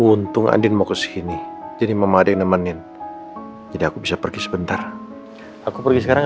untung adin mau kesini jadi memadai nemenin jadi aku bisa pergi sebentar aku pergi sekarang